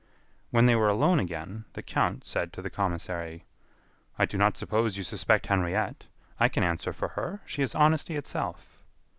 When they were alone again, the count said to the commissary: "I do not suppose you suspect Henriette. I can answer for her. She is honesty itself."